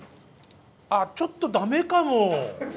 あちょっとダメかも。